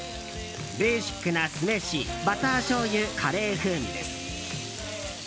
ベーシックな酢飯バターしょうゆ、カレー風味です。